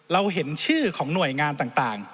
เราเห็นชื่อของหน่วยงานต่าง